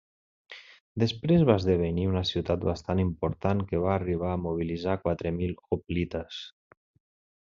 Després va esdevenir una ciutat bastant important que va arribar a mobilitzar quatre mil hoplites.